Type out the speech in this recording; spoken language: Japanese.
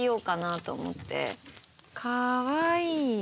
かわいい。